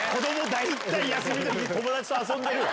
大体休みの日友達と遊んでるわ。